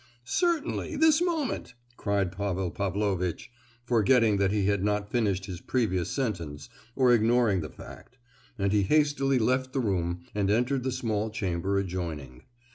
"Certainly—this moment!" cried Pavel Pavlovitch, forgetting that he had not finished his previous sentence, or ignoring the fact; and he hastily left the room, and entered the small chamber adjoining.